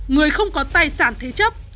người không có tài sản thế chấp